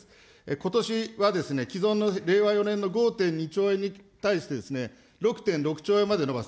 ことしは既存の令和４年度５．２兆円に対して６．６兆円まで伸ばす。